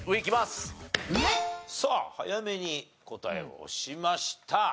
さあ早めに答えを押しました。